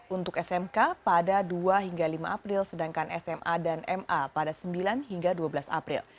untuk smk pada dua hingga lima april sedangkan sma dan ma pada sembilan hingga dua belas april